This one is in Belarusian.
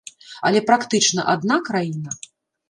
Але практычна адна краіна?